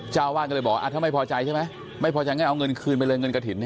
ก็เลยบอกว่าถ้าไม่พอใจใช่ไหมไม่พอใจงั้นเอาเงินคืนไปเลยเงินกะถินนี่